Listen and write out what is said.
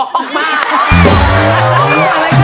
อะไรกันแล้ว